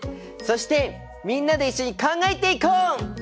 そしてみんなで一緒に考えていこう！